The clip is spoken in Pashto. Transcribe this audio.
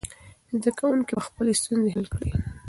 زده کوونکي به خپلې ستونزې حل کړي.